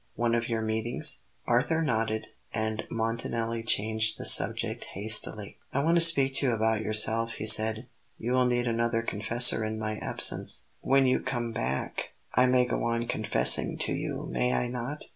"One of your meetings?" Arthur nodded; and Montanelli changed the subject hastily. "I want to speak to you about yourself," he said. "You will need another confessor in my absence." "When you come back I may go on confessing to you, may I not?"